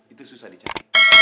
itu susah dicari